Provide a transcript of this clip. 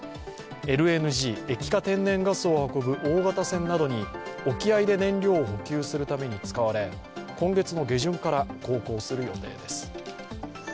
ＬＮＧ＝液化天然ガスを運ぶ大型船などに沖合で燃料を補給するために使われ今月下旬から航行する予定です。